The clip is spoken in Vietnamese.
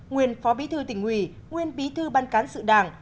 nguyên phó bí thư tỉnh ủy nguyên bí thư ban cán sự đảng